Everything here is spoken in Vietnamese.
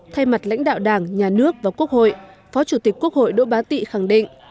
thay mặt lãnh đạo đảng nhà nước và quốc hội phó chủ tịch quốc hội đỗ bá tị khẳng định